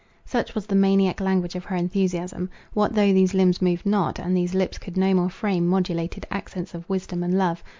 Such was the maniac language of her enthusiasm. What though those limbs moved not, and those lips could no more frame modulated accents of wisdom and love!